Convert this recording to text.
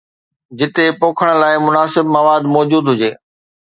جتي پوکڻ لاءِ مناسب مواد موجود هجي.